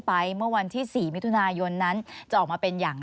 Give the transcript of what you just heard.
เมื่อวันที่๔มิถุนายนนั้นจะออกมาเป็นอย่างไร